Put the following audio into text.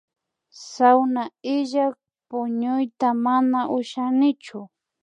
Sawna illak puñuyta mana ushanichu